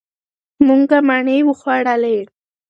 مونږه مڼې وخوړلې.